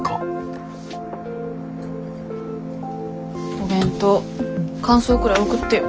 お弁当感想くらい送ってよ。